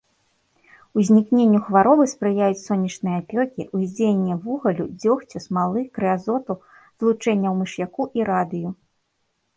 Узнікненню хваробы спрыяюць сонечныя апёкі, уздзеянне вугалю, дзёгцю, смалы, крэазоту, злучэнняў мыш'яку і радыю.